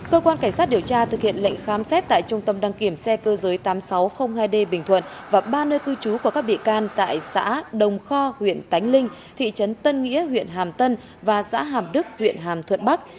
cơ quan cảnh sát điều tra thực hiện lệnh khám xét tại trung tâm đăng kiểm xe cơ giới tám nghìn sáu trăm linh hai d bình thuận và ba nơi cư trú của các bị can tại xã đồng kho huyện tánh linh thị trấn tân nghĩa huyện hàm tân và xã hàm đức huyện hàm thuận bắc